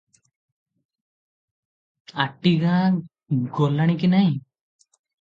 ଆଟିଗାଁ ଗଲାଣି କି ନାହିଁ?